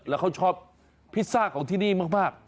แล้วเขาชอบพิซซ่าของที่นี่มาก